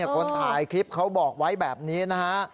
คนถ่ายคลิปเขาบอกไว้แบบนี้นะฮะ